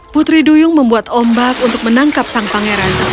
putri duyung membuat ombak untuk menangkap sang pangeran